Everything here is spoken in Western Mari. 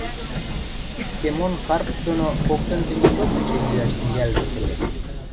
Семон Карп доно коктын тенгечок эче йӱӓш тӹнгӓлӹнӹт ыльы.